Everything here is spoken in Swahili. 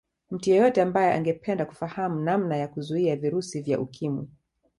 Mtu yeyote ambaye angependa kufahamu namna ya kuzuia virusi vya Ukimwi